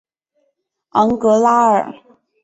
昂格拉尔。